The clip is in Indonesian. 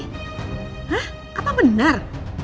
hah apa benar